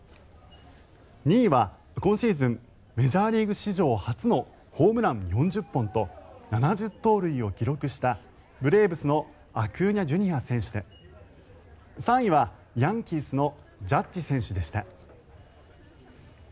２位は今シーズンメジャーリーグ史上初のホームラン４０本と７０盗塁を記録したブレーブスのアクーニャＪｒ．選手で３位はヤンキースのジャッジ選手でした。